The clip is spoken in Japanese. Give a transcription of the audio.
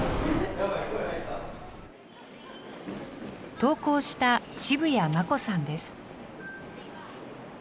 投稿した渋谷真子さんです。